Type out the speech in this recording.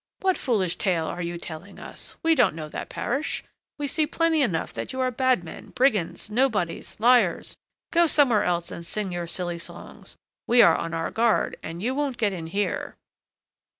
What foolish tale are you telling us? We don't know that parish. We see plainly enough that you are bad men, brigands, nobodies, liars. Go somewhere else and sing your silly songs; we are on our guard, and you won't get in here.